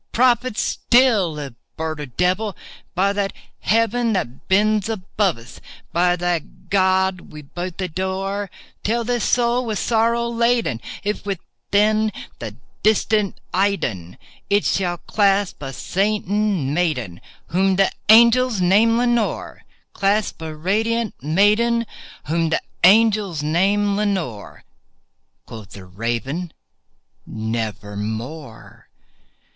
—prophet still, if bird or devil! By that Heaven that bends above us — by that God we both adore— Tell this soul with sorrow laden if, within the distant Aidenn, It shall clasp a sainted maiden whom the angels name Lenore — Clasp a rare and radiant maiden whom the angels name Lenore." Quoth the Raven, "Nevermore."